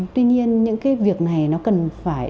tuy nhiên những cái việc này nó cần phải